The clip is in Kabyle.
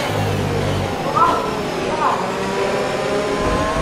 Tedduɣ akked jeddi ɣer taksawt.